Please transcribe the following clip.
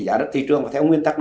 giá đất thị trường theo nguyên tắc